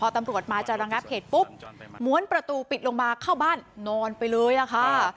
ตำรวจมาจะระงับเหตุปุ๊บม้วนประตูปิดลงมาเข้าบ้านนอนไปเลยอะค่ะ